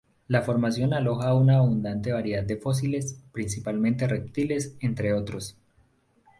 La formación aloja una abundante variedad de fósiles, principalmente reptiles, entre otros.